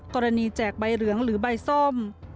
แจกใบเหลืองหรือใบส้ม